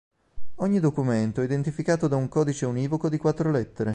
Ogni documento è identificato da un codice univoco di quattro lettere.